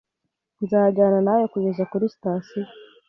Nzajyana nawe kugeza kuri sitasiyo